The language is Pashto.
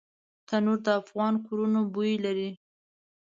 تنور د افغانو کورونو بوی لري